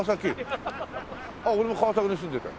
俺も川崎に住んでたよ。